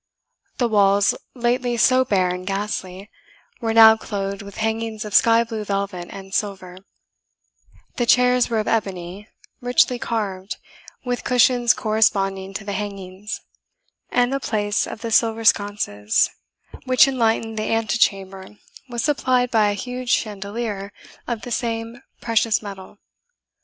The walls, lately so bare and ghastly, were now clothed with hangings of sky blue velvet and silver; the chairs were of ebony, richly carved, with cushions corresponding to the hangings; and the place of the silver sconces which enlightened the ante chamber was supplied by a huge chandelier of the same precious metal.